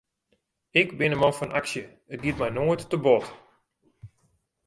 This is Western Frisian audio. Ik bin in man fan aksje, it giet my noait te bot.